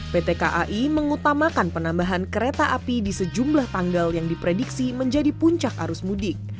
pt kai mengutamakan penambahan kereta api di sejumlah tanggal yang diprediksi menjadi puncak arus mudik